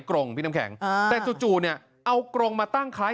กรงพี่น้ำแข็งอ่าแต่จู่จู่เนี่ยเอากรงมาตั้งคล้าย